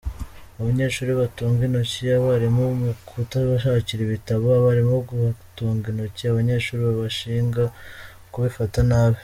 Abanyeshuri batunga intoki abarimu mu kutabashakira ibitabo, abarimu bagatunga intoki abanyeshuri babashinga kubifata nabi.